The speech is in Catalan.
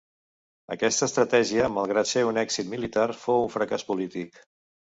Aquesta estratègia, malgrat ser un èxit militar, fou un fracàs polític.